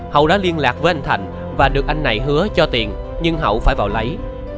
hậu đã liên lạc với anh thành và được anh này hứa cho tiền nhưng hậu phải vào lấy